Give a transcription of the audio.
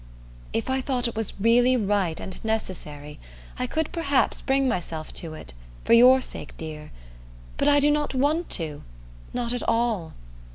"If I thought it was really right and necessary, I could perhaps bring myself to it, for your sake, dear; but I do not want to not at all.